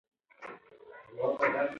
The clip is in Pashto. ایا ته د دې داستان د اتلانو کیسې خوښوې؟